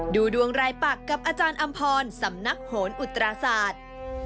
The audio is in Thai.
ดูดวงรายปักกับอาจารย์อำพรสำนักโหนอุตราศาสตร์